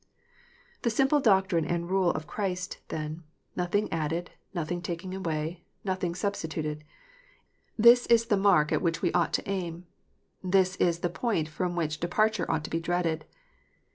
The simple doctrine and rule of Christ, then nothing added, nothing taken away, nothing substituted this is the mark at which we ought to aim. This is the point from which depart ure ought to be dreaded.